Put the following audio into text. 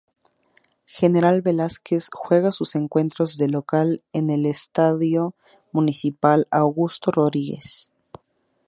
General Velásquez juega su encuentros de local en el Estadio Municipal Augusto Rodríguez.